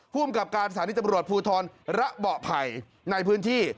ภูมิกับการสถานีตำรวจภูทรระเบาะไผ่ในพื้นที่